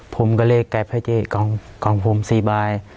ผมก็เลยเก็บให้เจ๊กองโฟม๔บาท